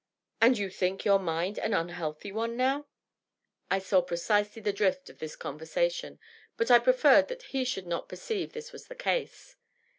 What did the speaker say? "And you think your mind an unhealthy one now?" I saw precisely the drift of his conversation, but I preferred that he should not perceive this was the case.